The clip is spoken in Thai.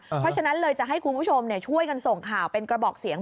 เพราะฉะนั้นเลยจะให้คุณผู้ชมช่วยกันส่งข่าวเป็นกระบอกเสียง